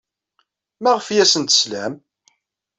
Maɣef ay asent-teslam?